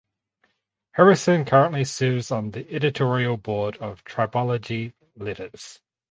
Harrison currently serves on the editorial board of Tribology Letters.